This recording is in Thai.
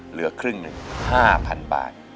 เหลือครึ่งหนึ่ง๕๐๐๐บาท